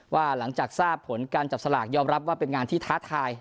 หลังจากทราบผลการจับสลากยอมรับว่าเป็นงานที่ท้าทาย